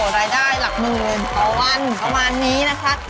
ต่อวันประมาณนี้นะคะ